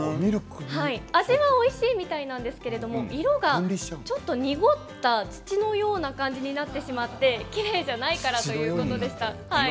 味はおいしいみたいなんですけど色がちょっと濁った土のような感じになってしまって、きれいじゃないからということでした。